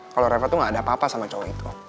kalo reva tuh gak ada papa sama cowok itu